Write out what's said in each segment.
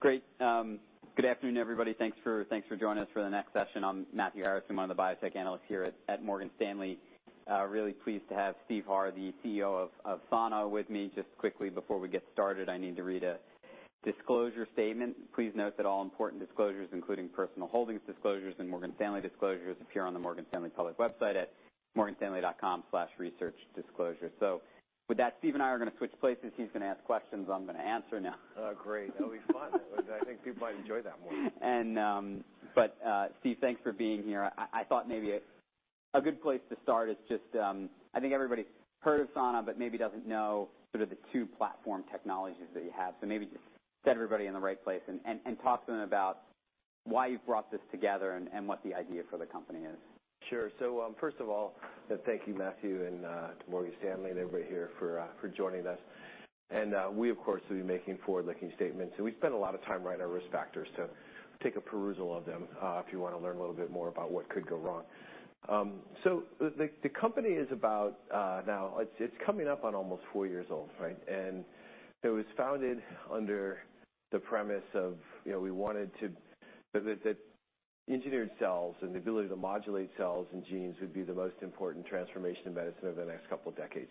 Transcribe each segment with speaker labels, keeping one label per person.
Speaker 1: Great. Good afternoon, everybody. Thanks for joining us for the next session. I'm Matthew Harrison, one of the biotech analysts here at Morgan Stanley. Really pleased to have Steve Harr, the CEO of Sana with me. Just quickly before we get started, I need to read a disclosure statement. Please note that all important disclosures, including personal holdings disclosures and Morgan Stanley disclosures, appear on the Morgan Stanley public website at morganstanley.com/researchdisclosures. With that, Steve and I are gonna switch places. He's gonna ask questions, I'm gonna answer now.
Speaker 2: Oh, great. That'll be fun. I think people might enjoy that more.
Speaker 1: Steve, thanks for being here. I thought maybe a good place to start is just, I think everybody's heard of Sana, but maybe doesn't know sort of the two platform technologies that you have. Maybe set everybody in the right place and talk to them about why you've brought this together and what the idea for the company is.
Speaker 2: Sure. First of all, thank you, Matthew, and to Morgan Stanley and everybody here for joining us. We of course will be making forward-looking statements, and we spend a lot of time writing our risk factors to take a perusal of them, if you wanna learn a little bit more about what could go wrong. The company is about now. It's coming up on almost four years old, right? It was founded under the premise of, you know, we wanted to. That engineered cells and the ability to modulate cells and genes would be the most important transformation in medicine over the next couple decades.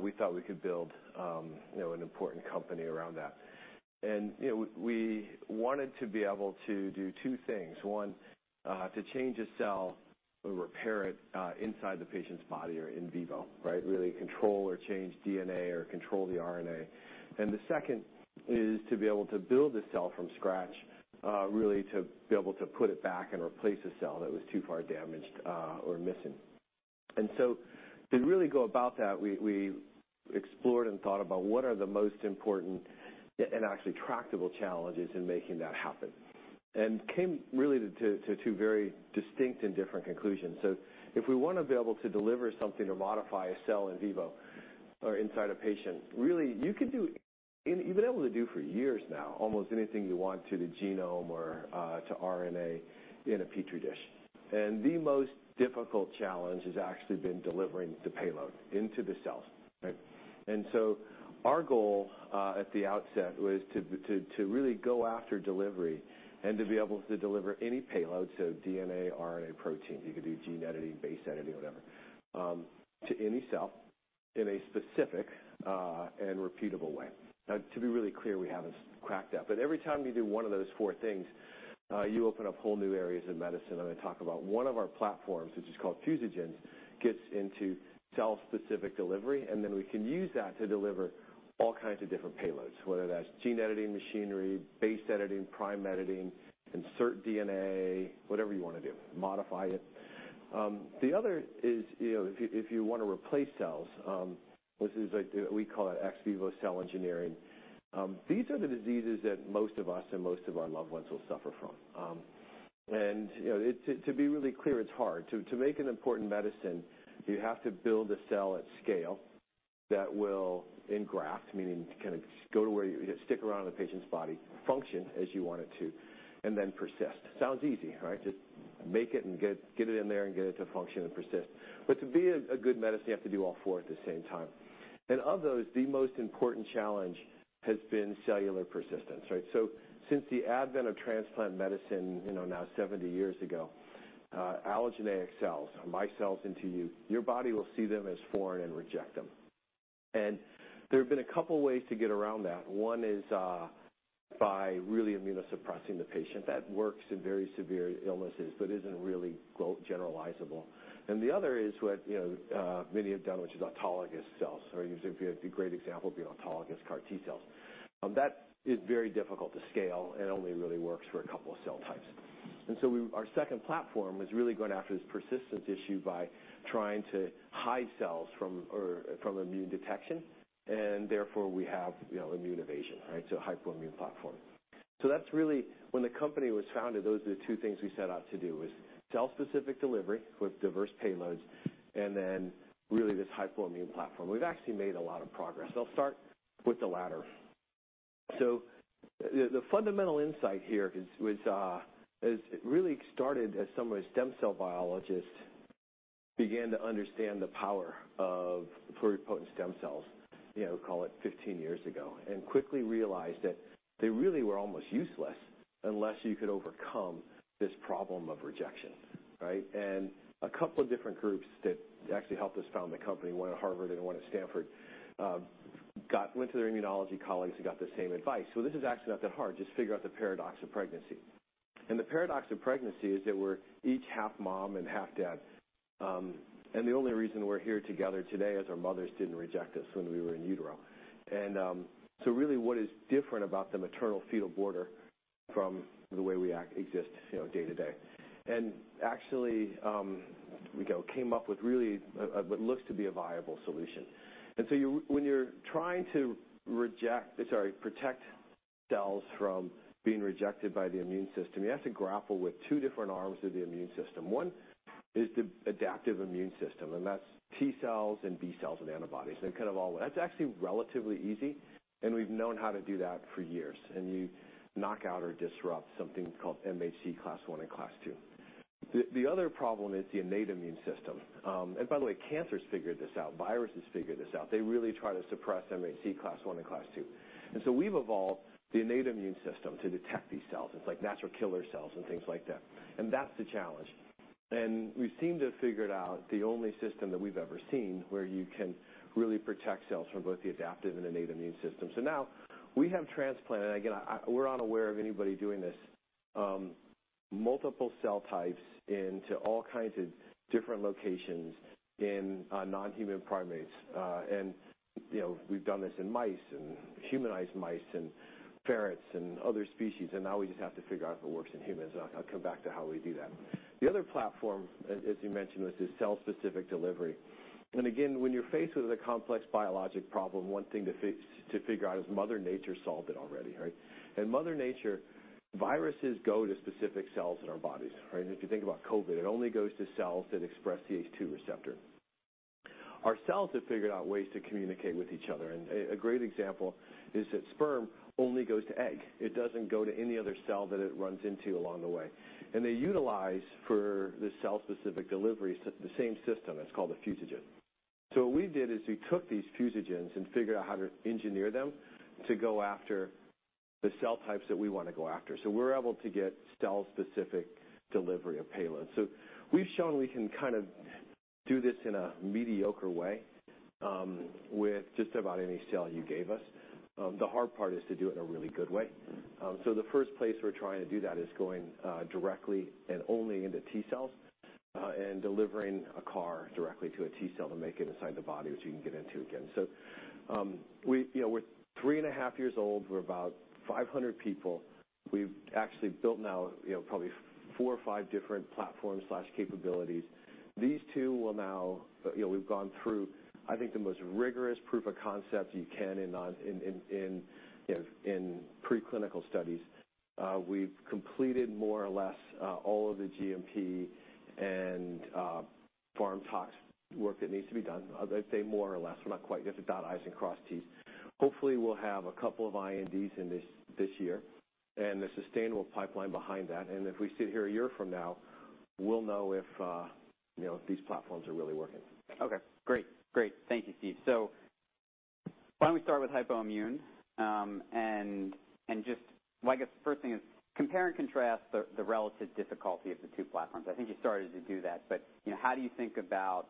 Speaker 2: We thought we could build, you know, an important company around that. We wanted to be able to do two things. One, to change a cell or repair it inside the patient's body or in vivo, right? Really control or change DNA or control the RNA. The second is to be able to build a cell from scratch, really to be able to put it back and replace a cell that was too far damaged or missing. To really go about that, we explored and thought about what are the most important and actually tractable challenges in making that happen, and came really to two very distinct and different conclusions. If we wanna be able to deliver something or modify a cell in vivo or inside a patient, really, you can do. You've been able to do for years now almost anything you want to the genome or to RNA in a Petri dish. The most difficult challenge has actually been delivering the payload into the cells, right? Our goal at the outset was to really go after delivery and to be able to deliver any payload, so DNA, RNA, protein, you could do gene editing, base editing, whatever, to any cell in a specific and repeatable way. Now, to be really clear, we haven't cracked that. But every time you do one of those four things, you open up whole new areas of medicine. I'm gonna talk about one of our platforms, which is called Fusogens, gets into cell-specific delivery, and then we can use that to deliver all kinds of different payloads, whether that's gene editing machinery, base editing, prime editing, insert DNA, whatever you wanna do, modify it. The other is, you know, if you wanna replace cells, which is like, we call it ex vivo cell engineering. These are the diseases that most of us and most of our loved ones will suffer from. You know, to be really clear, it's hard. To make an important medicine, you have to build a cell at scale that will engraft, meaning kind of go to where you stick around the patient's body, function as you want it to, and then persist. Sounds easy, right? Just make it and get it in there and get it to function and persist. To be a good medicine, you have to do all four at the same time. Of those, the most important challenge has been cellular persistence, right? Since the advent of transplant medicine, you know, now 70 years ago, allogeneic cells, my cells into you, your body will see them as foreign and reject them. There have been a couple ways to get around that. One is, by really immunosuppressing the patient. That works in very severe illnesses, but isn't really generalizable. The other is what, you know, many have done, which is autologous cells, or using, you know, the great example being autologous CAR T-cells. That is very difficult to scale and only really works for a couple of cell types. Our second platform is really going after this persistence issue by trying to hide cells from, or from immune detection, and therefore we have, you know, immune evasion, right? Hypoimmune platform. That's really, when the company was founded, those are the two things we set out to do was cell-specific delivery with diverse payloads and then really this hypoimmune platform. We've actually made a lot of progress. I'll start with the latter. The fundamental insight here is it really started as some of the stem cell biologists began to understand the power of pluripotent stem cells, you know, call it 15 years ago, and quickly realized that they really were almost useless unless you could overcome this problem of rejection, right? A couple of different groups that actually helped us found the company, one at Harvard and one at Stanford, went to their immunology colleagues and got the same advice. This is actually not that hard, just figure out the paradox of pregnancy. The paradox of pregnancy is that we're each half mom and half dad, and the only reason we're here together today is our mothers didn't reject us when we were in utero. Really, what is different about the maternal fetal border from the way we exist, you know, day to day? Actually, we came up with really what looks to be a viable solution. You, when you're trying to protect cells from being rejected by the immune system, you have to grapple with two different arms of the immune system. One is the adaptive immune system, and that's T-cells and B-cells and antibodies. They've kind of all. That's actually relatively easy, and we've known how to do that for years, and you knock out or disrupt something called MHC class I and class II. The other problem is the innate immune system. By the way, cancers figured this out, viruses figured this out. They really try to suppress MHC class I and class II. We've evolved the innate immune system to detect these cells. It's like natural killer cells and things like that. That's the challenge. We seem to have figured out the only system that we've ever seen where you can really protect cells from both the adaptive and the innate immune system. Now we have transplanted, again, we're not aware of anybody doing this, multiple cell types into all kinds of different locations in non-human primates. You know, we've done this in mice and humanized mice and ferrets and other species, and now we just have to figure out if it works in humans. I'll come back to how we do that. The other platform, as you mentioned, this is cell-specific delivery. Again, when you're faced with a complex biologic problem, one thing to figure out is Mother Nature solved it already, right? Mother Nature, viruses go to specific cells in our bodies, right? If you think about COVID, it only goes to cells that express the ACE2 receptor. Our cells have figured out ways to communicate with each other, and a great example is that sperm only goes to egg. It doesn't go to any other cell that it runs into along the way. They utilize, for the cell-specific delivery, the same system that's called a fusogen. What we did is we took these fusogens and figured out how to engineer them to go after the cell types that we wanna go after. We're able to get cell-specific delivery of payloads. We've shown we can kind of do this in a mediocre way, with just about any cell you gave us. The hard part is to do it in a really good way. The first place we're trying to do that is going directly and only into T cells and delivering a CAR directly to a T cell to make it inside the body, which you can get into again. We, you know, we're three and a half years old. We're about 500 people. We've actually built now, you know, probably four or five different platforms/capabilities. These two will now. You know, we've gone through, I think, the most rigorous proof of concepts you can in preclinical studies. We've completed more or less all of the GMP and pharm tox work that needs to be done. I'd say more or less, we're not quite. You have to dot i's and cross t's. Hopefully, we'll have a couple of INDs in this year and the substantial pipeline behind that. If we sit here a year from now, we'll know if, you know, if these platforms are really working.
Speaker 1: Okay, great. Thank you, Steve. Why don't we start with hypoimmune. I guess the first thing is compare and contrast the relative difficulty of the two platforms. I think you started to do that, but you know, how do you think about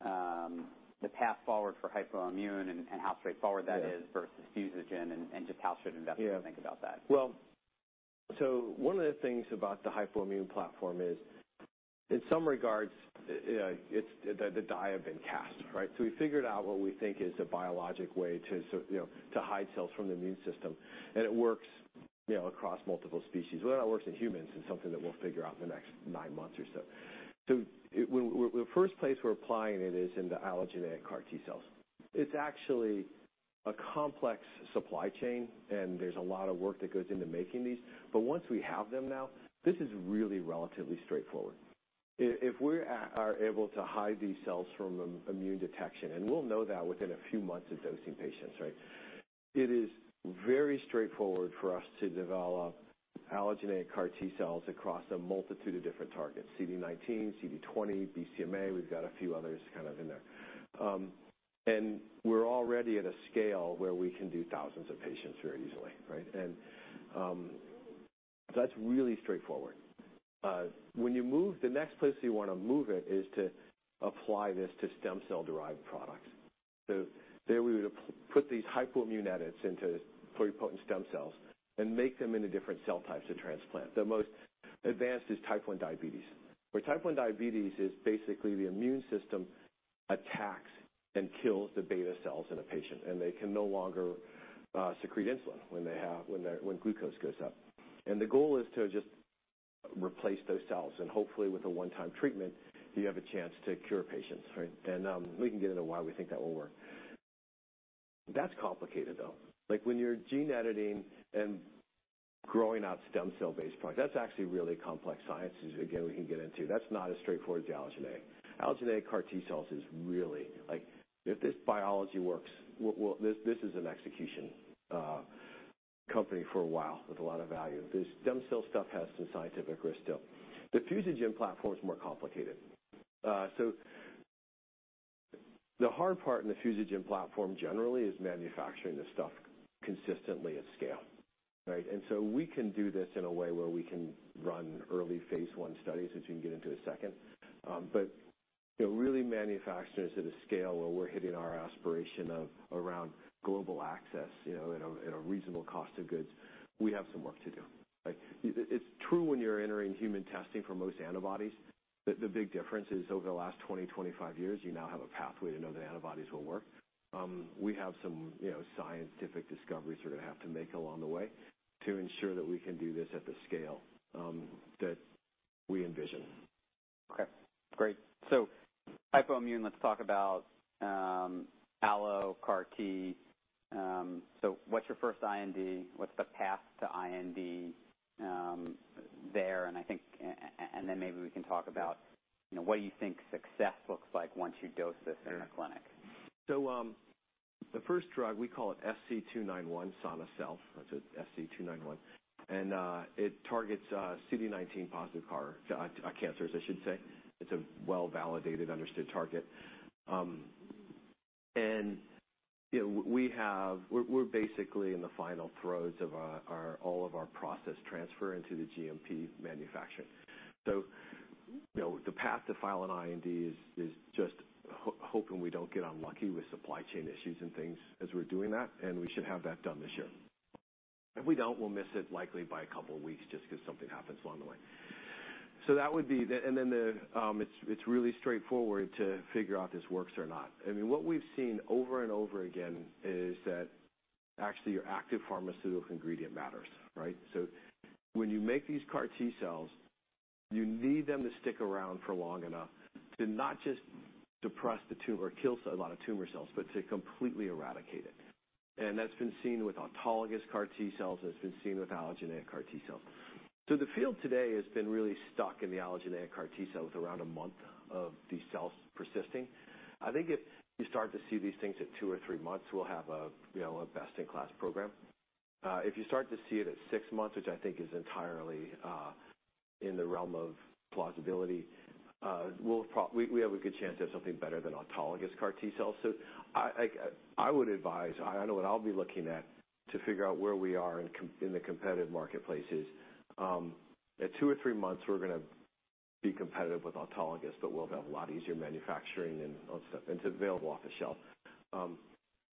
Speaker 1: the path forward for hypoimmune and how straightforward that is?
Speaker 2: Yeah.
Speaker 1: versus fusogen, and just how should investors think about that?
Speaker 2: Yeah. Well, one of the things about the hypoimmune platform is, in some regards, it's the die have been cast, right? We figured out what we think is a biologic way to sort of, you know, to hide cells from the immune system, and it works, you know, across multiple species. Whether or not it works in humans is something that we'll figure out in the next nine months or so. The first place we're applying it is in the allogeneic CAR T-cells. It's actually a complex supply chain, and there's a lot of work that goes into making these, but once we have them now, this is really relatively straightforward. If we're able to hide these cells from immune detection, and we'll know that within a few months of dosing patients, right? It is very straightforward for us to develop allogeneic CAR T cells across a multitude of different targets, CD19, CD20, BCMA. We've got a few others kind of in there. We're already at a scale where we can do thousands of patients very easily, right? That's really straightforward. When you move, the next place you wanna move it is to apply this to stem cell-derived products. There, we would put these hypoimmune edits into pluripotent stem cells and make them into different cell types to transplant. The most advanced is type 1 diabetes, where type 1 diabetes is basically the immune system attacks and kills the beta cells in a patient, and they can no longer secrete insulin when glucose goes up. The goal is to just replace those cells, and hopefully, with a one-time treatment, you have a chance to cure patients, right? We can get into why we think that will work. That's complicated, though. Like, when you're gene editing and growing out stem cell-based products, that's actually really complex sciences. Again, we can get into that. That's not as straightforward as the allogeneic. Allogeneic CAR T cells is really like, if this biology works, we'll. This is an execution company for a while with a lot of value. This stem cell stuff has some scientific risk still. The fusogen platform is more complicated. The hard part in the fusogen platform generally is manufacturing this stuff consistently at scale, right? We can do this in a way where we can run early phase I studies, which we can get into in a second. But you know, really manufacturing this at a scale where we're hitting our aspiration of around global access, you know, at a reasonable cost of goods, we have some work to do, right? It's true when you're entering human testing for most antibodies, the big difference is over the last 20-25 years, you now have a pathway to know that antibodies will work. We have some, you know, scientific discoveries we're gonna have to make along the way to ensure that we can do this at the scale that we envision.
Speaker 1: Okay, great. Hypoimmune, let's talk about allo CAR T. What's your first IND? What's the path to IND there? I think and then maybe we can talk about, you know, what you think success looks like once you dose this in a clinic.
Speaker 2: Sure. The first drug, we call it SC291, SonaSelf. That's SC291. It targets CD19 positive cancers, I should say. It's a well-validated, understood target. You know, we're basically in the final throes of all of our process transfer into the GMP manufacturing. You know, the path to file an IND is just hoping we don't get unlucky with supply chain issues and things as we're doing that, and we should have that done this year. If we don't, we'll miss it likely by a couple weeks just 'cause something happens along the way. That would be the. It's really straightforward to figure out if this works or not. I mean, what we've seen over and over again is that actually your active pharmaceutical ingredient matters, right? When you make these CAR T-cells, you need them to stick around for long enough to not just depress the tumor or kill a lot of tumor cells, but to completely eradicate it. That's been seen with autologous CAR T-cells. That's been seen with allogeneic CAR T-cells. The field today has been really stuck in the allogeneic CAR T-cell with around a month of these cells persisting. I think if you start to see these things at two or three months, we'll have a, you know, a best-in-class program. If you start to see it at six months, which I think is entirely in the realm of plausibility, we'll have a good chance at something better than autologous CAR T-cells. I would advise, I know what I'll be looking at to figure out where we are in the competitive marketplace is, at two or three months, we're gonna be competitive with autologous, but we'll have a lot easier manufacturing and stuff, and it's available off the shelf.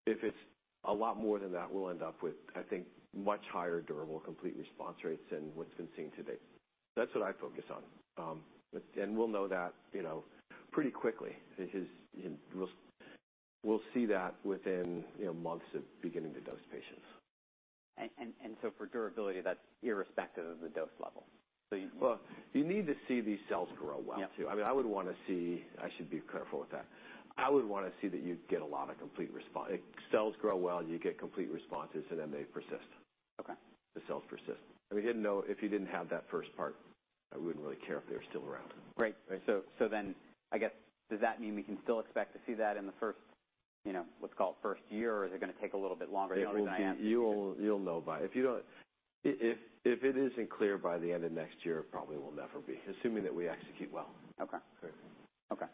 Speaker 2: If it's a lot more than that, we'll end up with, I think, much higher durable complete response rates than what's been seen to date. That's what I'd focus on. We'll know that, you know, pretty quickly. We'll see that within, you know, months of beginning to dose patients.
Speaker 1: For durability, that's irrespective of the dose level.
Speaker 2: Well, you need to see these cells grow well, too.
Speaker 1: Yeah.
Speaker 2: I mean, I would wanna see. I should be careful with that. I would wanna see that you get a lot of complete response. If cells grow well, you get complete responses, and then they persist.
Speaker 1: Okay.
Speaker 2: The cells persist. I mean, you didn't know if you didn't have that first part, I wouldn't really care if they were still around.
Speaker 1: Right. I guess, does that mean we can still expect to see that in the first, you know, what's called first year, or is it gonna take a little bit longer? I know we're gonna ask-
Speaker 2: If it isn't clear by the end of next year, it probably will never be, assuming that we execute well.
Speaker 1: Okay.
Speaker 2: Great.
Speaker 1: Okay.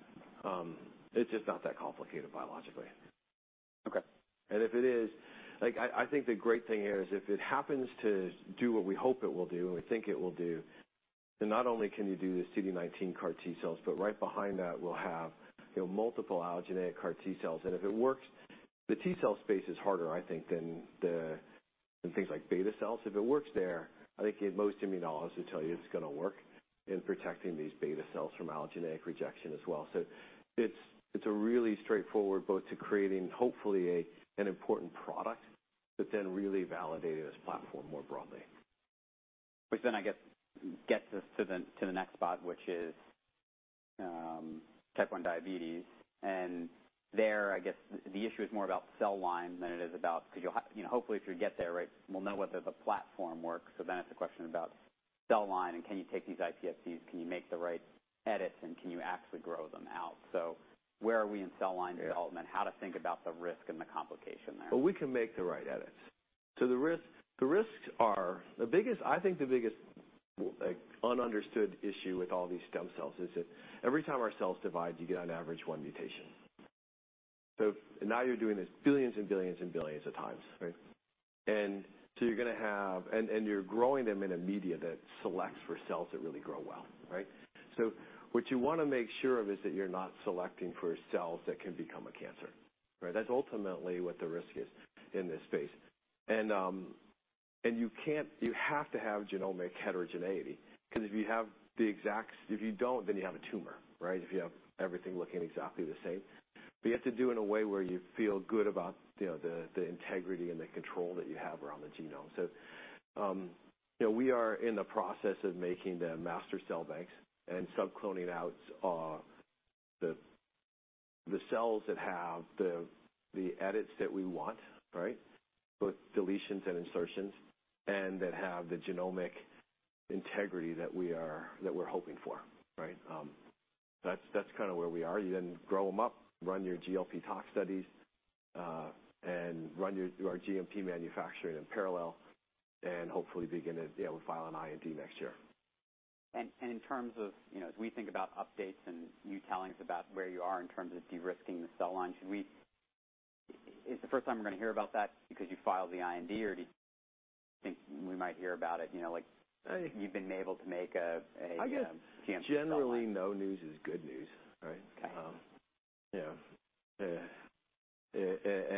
Speaker 2: It's just not that complicated biologically.
Speaker 1: Okay.
Speaker 2: If it is, like I think the great thing here is if it happens to do what we hope it will do and we think it will do, then not only can you do the CD19 CAR T-cells, but right behind that we'll have, you know, multiple allogeneic CAR T-cells. If it works, the T-cell space is harder, I think, than things like beta cells. If it works there, I think most immunologists will tell you it's gonna work in protecting these beta cells from allogeneic rejection as well. It's a really straightforward both to creating hopefully a, an important product, but then really validating this platform more broadly.
Speaker 1: Which then I guess gets us to the next spot, which is type 1 diabetes. There, I guess the issue is more about cell line than it is about. 'Cause you'll, you know, hopefully if you get there, right, we'll know whether the platform works. It's a question about cell line and can you take these iPSCs, can you make the right edits, and can you actually grow them out. Where are we in cell line development?
Speaker 2: Yeah.
Speaker 1: How to think about the risk and the complication there?
Speaker 2: Well, we can make the right edits. The risk, the risks are. The biggest, I think, like, understood issue with all these stem cells is that every time our cells divide, you get on average one mutation. Now you're doing this billions and billions and billions of times, right? You're gonna have. You're growing them in a media that selects for cells that really grow well, right? What you wanna make sure of is that you're not selecting for cells that can become a cancer, right? That's ultimately what the risk is in this space. You can't. You have to have genomic heterogeneity, 'cause if you don't, then you have a tumor, right? If you have everything looking exactly the same. You have to do it in a way where you feel good about, you know, the integrity and the control that you have around the genome. You know, we are in the process of making the master cell banks and sub-cloning out the cells that have the edits that we want, right? Both deletions and insertions, and that have the genomic integrity that we're hoping for, right? That's kinda where we are. You then grow them up, run your GLP tox studies, and run our GMP manufacturing in parallel, and hopefully begin to be able to file an IND next year.
Speaker 1: In terms of, you know, as we think about updates and you telling us about where you are in terms of de-risking the cell line, is the first time we're gonna hear about that because you filed the IND or do you think we might hear about it, you know, like?
Speaker 2: I think....
Speaker 1: you've been able to make a change at a cell line.
Speaker 2: I guess generally no news is good news, right?
Speaker 1: Okay.
Speaker 2: You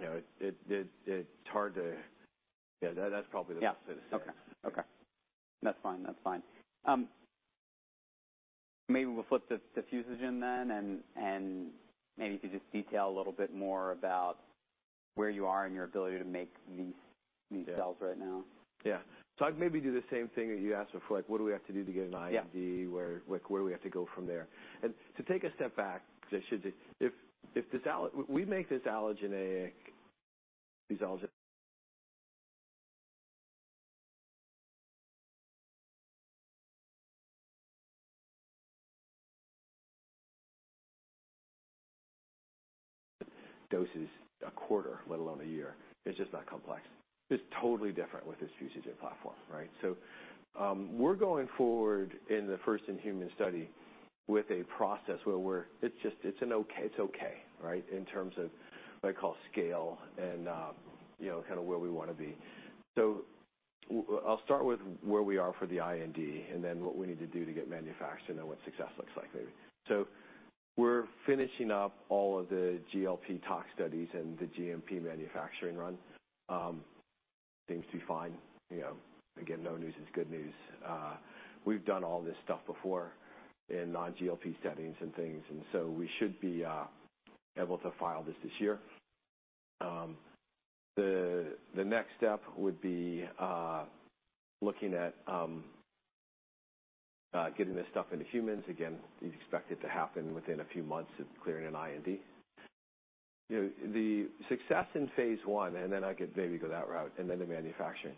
Speaker 2: know, it's hard to. Yeah, that's probably the best way to say it.
Speaker 1: Yeah. Okay. That's fine. Maybe we'll flip to Fusogen then and maybe you could just detail a little bit more about where you are in your ability to make these cells right now.
Speaker 2: Yeah. I'd maybe do the same thing that you asked before. Like what do we have to do to get an IND?
Speaker 1: Yeah.
Speaker 2: Where, like where do we have to go from there? To take a step back, if we make this allogeneic, these allogeneic doses a quarter, let alone a year. It's just not complex. It's totally different with this Fusogen platform, right? We're going forward in the first-in-human study with a process. It's okay, right? In terms of what I call scale and, you know, kinda where we wanna be. I'll start with where we are for the IND, and then what we need to do to get manufacturing, and then what success looks like maybe. We're finishing up all of the GLP tox studies and the GMP manufacturing run. Seems to be fine. You know, again, no news is good news. We've done all this stuff before in non-GLP settings and things, and so we should be able to file this year. The next step would be looking at getting this stuff into humans. Again, you'd expect it to happen within a few months of clearing an IND. You know, the success in phase one, and then I could maybe go that route, and then the manufacturing.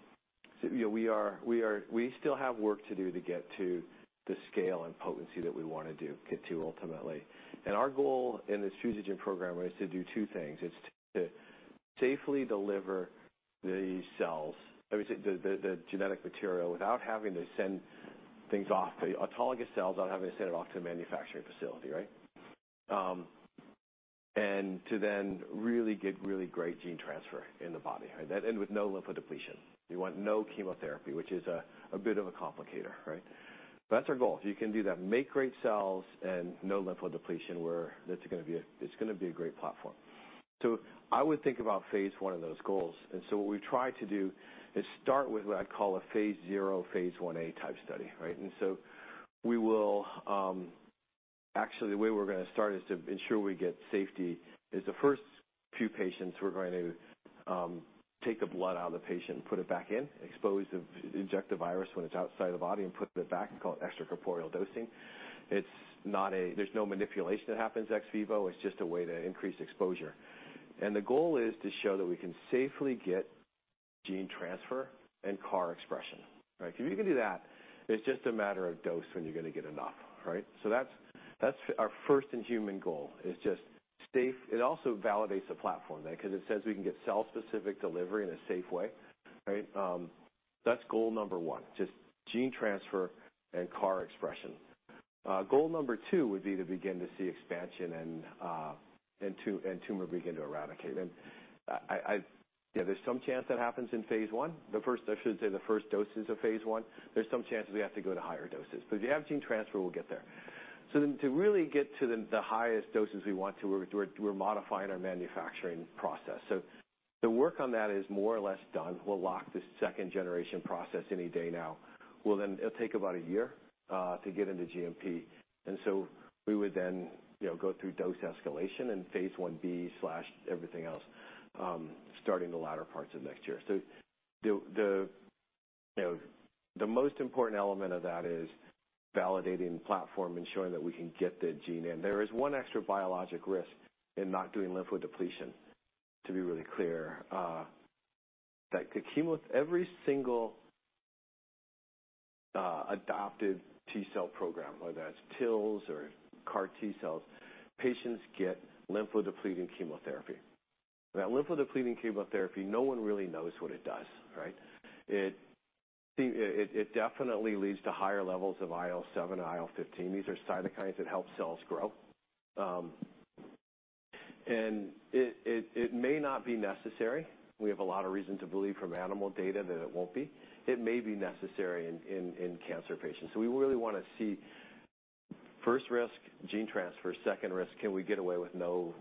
Speaker 2: You know, we are. We still have work to do to get to the scale and potency that we wanna do, get to ultimately. Our goal in this fusogen program was to do two things. It's to safely deliver the cells, I would say the genetic material, without having to send things off to the autologous cells, without having to send it off to a manufacturing facility, right? To then really get really great gene transfer in the body, right? That, with no lymphodepletion. We want no chemotherapy, which is a bit of a complication, right? That's our goal. If you can do that, make great cells and no lymphodepletion, that's gonna be a great platform. I would think about phase I of those goals. What we've tried to do is start with what I call a phase 0, phase IA type study, right? We will actually, the way we're gonna start is to ensure we get safety, the first few patients we're going to take the blood out of the patient and put it back in. Inject the virus when it's outside the body and put it back. We call it extracorporeal dosing. There's no manipulation that happens ex vivo. It's just a way to increase exposure. The goal is to show that we can safely get gene transfer and CAR expression, right? If you can do that, it's just a matter of dose when you're gonna get enough, right? That's our first-in-human goal. It also validates the platform then, 'cause it says we can get cell-specific delivery in a safe way, right? That's goal number one, just gene transfer and CAR expression. Goal number two would be to begin to see expansion and tumor begin to eradicate. There's some chance that happens in phase one. I should say, the first doses of phase one. There's some chance we have to go to higher doses, but if you have gene transfer, we'll get there. To really get to the highest doses we want to, we're modifying our manufacturing process. The work on that is more or less done. We'll lock the second generation process any day now. We'll then. It'll take about a year to get into GMP. We would then, you know, go through dose escalation and phase IB slash everything else, starting the latter parts of next year. You know, the most important element of that is validating the platform and showing that we can get the gene in. There is one extra biologic risk in not doing lymphodepletion, to be really clear. That the chemo. With every single, adoptive T-cell program, whether that's TILs or CAR T-cells, patients get lymphodepleting chemotherapy. That lymphodepleting chemotherapy, no one really knows what it does, right? It definitely leads to higher levels of IL-7 and IL-15. These are cytokines that help cells grow. It may not be necessary. We have a lot of reason to believe from animal data that it won't be. It may be necessary in cancer patients. We really wanna see, first risk, gene transfer. Second risk, can we get away with no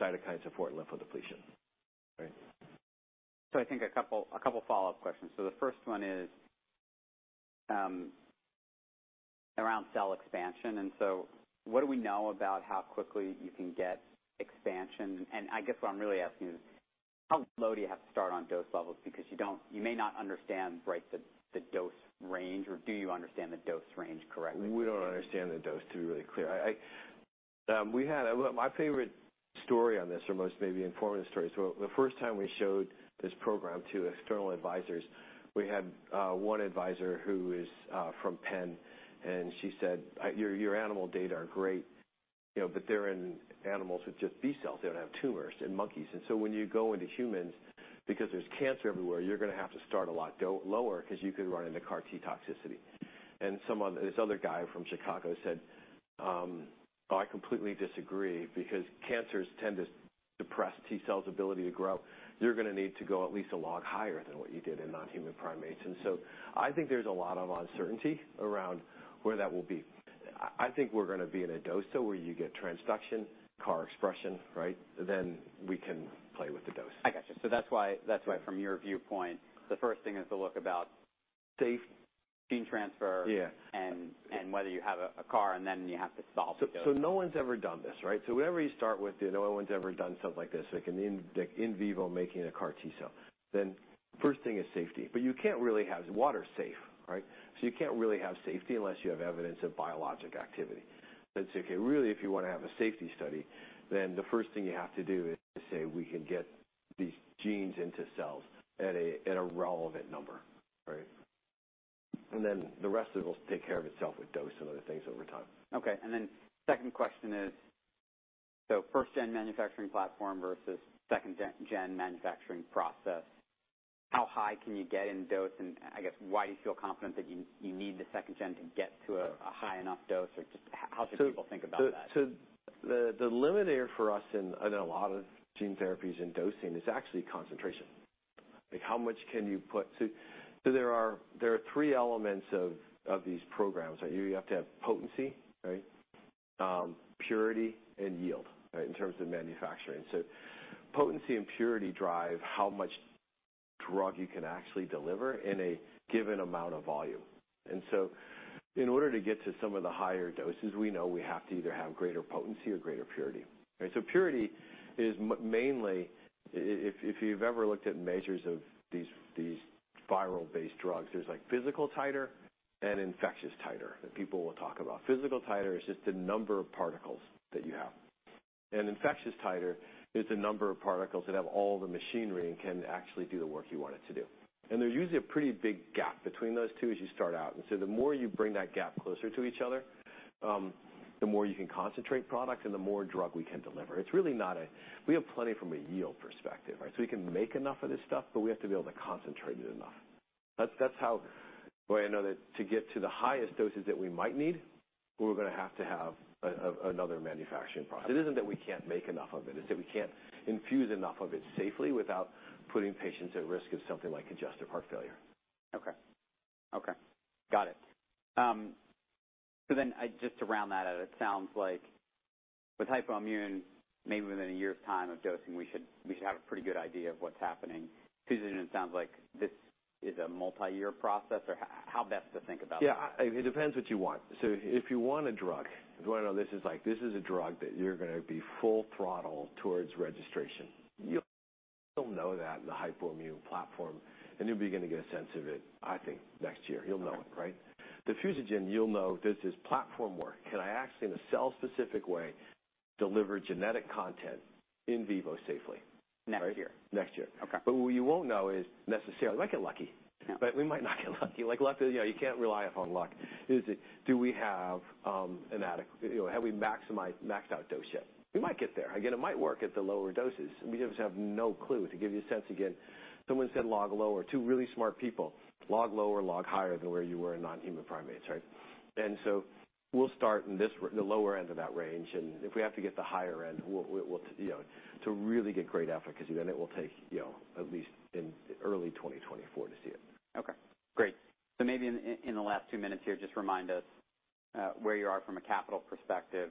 Speaker 2: cytokine support lymphodepletion, right?
Speaker 1: I think a couple follow-up questions. The first one is around cell expansion, and so what do we know about how quickly you can get expansion? I guess what I'm really asking is, how low do you have to start on dose levels? Because you may not understand, right, the dose range, or do you understand the dose range correctly?
Speaker 2: We don't understand the dose, to be really clear. We had well, my favorite story on this, or most maybe informative story. The first time we showed this program to external advisors, we had one advisor who is from Penn, and she said, "Your animal data are great, you know, but they're in animals with just B cells. They don't have tumors in monkeys. When you go into humans, because there's cancer everywhere, you're gonna have to start a lot lower, 'cause you could run into CAR T toxicity." Someone, this other guy from Chicago said, "Oh, I completely disagree, because cancers tend to suppress T cells' ability to grow. You're gonna need to go at least a log higher than what you did in non-human primates." I think there's a lot of uncertainty around where that will be. I think we're gonna be in a dose, though, where you get transduction, CAR expression, right? We can play with the dose.
Speaker 1: I gotcha. That's why from your viewpoint, the first thing is to look about safe gene transfer.
Speaker 2: Yeah
Speaker 1: whether you have a CAR, and then you have to solve the dose.
Speaker 2: No one's ever done this, right? Whatever you start with, you know, no one's ever done something like this, like in vivo making a CAR T-cell. First thing is safety. You can't really have Water's safe, right? You can't really have safety unless you have evidence of biological activity. If you really wanna have a safety study, the first thing you have to do is to say, "We can get these genes into cells at a relevant number, right? And then the rest of it will take care of itself with dose and other things over time.
Speaker 1: Okay, second question is, first gen manufacturing platform versus second gen manufacturing process. How high can you get in dose? I guess, why do you feel confident that you need the second gen to get to a high enough dose? Or just how should people think about that?
Speaker 2: The limiter for us in a lot of gene therapies in dosing is actually concentration. Like, how much can you put. There are three elements of these programs. You have to have potency, right? Purity and yield, right, in terms of manufacturing. Potency and purity drive how much drug you can actually deliver in a given amount of volume. In order to get to some of the higher doses, we know we have to either have greater potency or greater purity, right? Purity is mainly, if you've ever looked at measures of these viral based drugs, there's like physical titer and infectious titer that people will talk about. Physical titer is just the number of particles that you have, and infectious titer is the number of particles that have all the machinery and can actually do the work you want it to do. There's usually a pretty big gap between those two as you start out. The more you bring that gap closer to each other, the more you can concentrate product and the more drug we can deliver. We have plenty from a yield perspective, right? We can make enough of this stuff, but we have to be able to concentrate it enough. That's how. Boy, I know that to get to the highest doses that we might need, we're gonna have to have another manufacturing process. It isn't that we can't make enough of it's that we can't infuse enough of it safely without putting patients at risk of something like congestive heart failure.
Speaker 1: Okay. Got it. Just to round that out, it sounds like with Hypoimmune, maybe within a year of time of dosing, we should have a pretty good idea of what's happening. Fusogen, it sounds like this is a multi-year process, or how best to think about that?
Speaker 2: Yeah. It depends what you want. If you want a drug, if you wanna know this is like, this is a drug that you're gonna be full throttle towards registration. You'll know that in the hypoimmune platform, and you'll be gonna get a sense of it, I think, next year. You'll know it, right? The fusogen, you'll know this is platform work. Can I actually, in a cell-specific way, deliver genetic content in vivo safely?
Speaker 1: Next year.
Speaker 2: Next year.
Speaker 1: Okay.
Speaker 2: What you won't know is necessarily. We might get lucky.
Speaker 1: Yeah.
Speaker 2: We might not get lucky. Like luck, you know, you can't rely upon luck. Do we have an adequate... You know, have we maximized, maxed out dose yet? We might get there. Again, it might work at the lower doses. We just have no clue. To give you a sense, again, someone said log lower. Two really smart people. Log lower, log higher than where you were in non-human primates, right? We'll start at the lower end of that range, and if we have to get the higher end, we'll, you know, to really get great efficacy, then it will take, you know, at least in early 2024 to see it.
Speaker 1: Okay, great. Maybe in the last two minutes here, just remind us where you are from a capital perspective.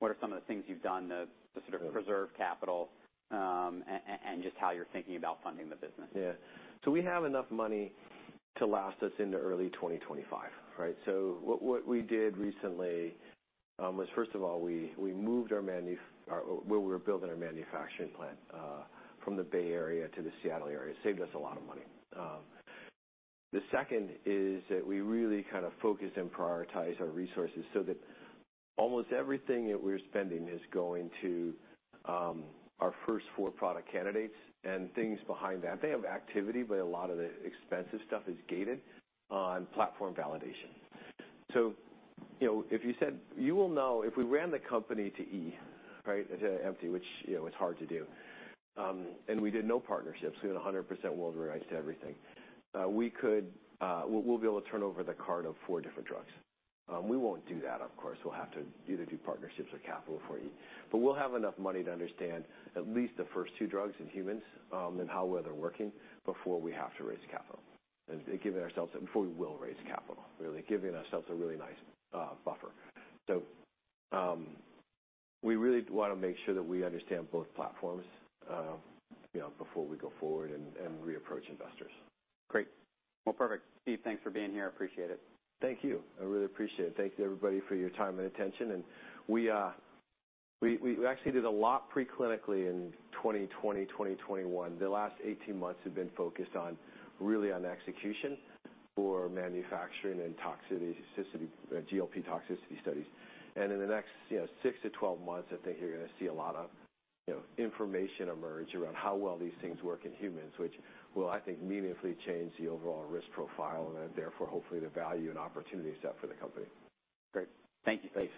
Speaker 1: What are some of the things you've done to sort of preserve capital, and just how you're thinking about funding the business?
Speaker 2: Yeah. We have enough money to last us into early 2025, right? What we did recently was first of all, we moved where we're building our manufacturing plant from the Bay Area to the Seattle area. Saved us a lot of money. The second is that we really kind of focused and prioritized our resources so that almost everything that we're spending is going to our first four product candidates and things behind that. They have activity, but a lot of the expensive stuff is gated on platform validation. You know, if you said you will know if we ran the company to E, right? To empty, which you know is hard to do, and we did no partnerships, we own 100% world rights to everything, we'll be able to turn over the cards of four different drugs. We won't do that, of course. We'll have to either do partnerships or capital for each. We'll have enough money to understand at least the first two drugs in humans, and how well they're working before we have to raise capital, giving ourselves a really nice buffer before we will raise capital, really. We really wanna make sure that we understand both platforms, you know, before we go forward and re-approach investors.
Speaker 1: Great. Well, perfect. Steve, thanks for being here. I appreciate it.
Speaker 2: Thank you. I really appreciate it. Thank you, everybody, for your time and attention. We actually did a lot preclinically in 2020, 2021. The last 18 months have been focused on, really on execution for manufacturing and toxicity, GLP toxicity studies. In the next, you know, six to 12 months, I think you're gonna see a lot of, you know, information emerge around how well these things work in humans, which will, I think, meaningfully change the overall risk profile and therefore, hopefully, the value and opportunity set for the company.
Speaker 1: Great. Thank you.
Speaker 2: Thanks.